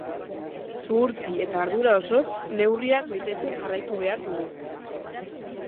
Zuhurtzi eta ardura osoz neurriak betetzen jarraitu behar dugu.